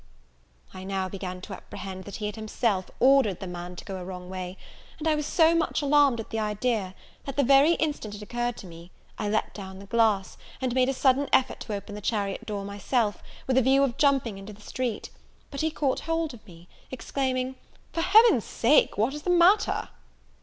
I now began to apprehend that he had himself ordered the man to go a wrong way; and I was so much alarmed at the idea, that, the very instant it occurred to me, I let down the glass, and made a sudden effort to open the chariot door myself, with a view of jumping into the street; but he caught hold of me, exclaiming, "For Heaven's sake, what is the matter?"